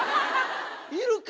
いるか？